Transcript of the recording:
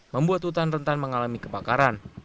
membuat hutan rentan mengalami kebakaran